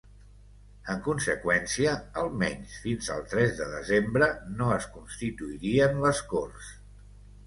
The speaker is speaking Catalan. En conseqüència, almenys fins al tres de desembre no es constituirien les corts.